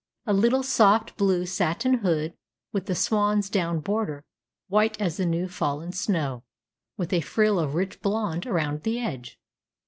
_ A little, soft, blue satin hood, with a swan's down border, white as the new fallen snow, with a frill of rich blonde around the edge.